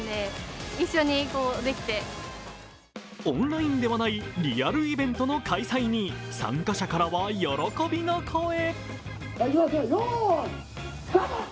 オンラインではない、リアルイベントの開催に参加者からは喜びの声。